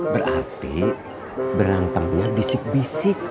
berarti berantemnya bisik bisik